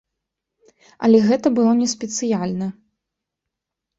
Але гэта было не спецыяльна.